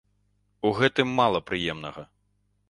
У гэтым мала прыемнага.